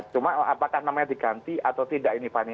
cuma apakah namanya diganti atau tidak ini fani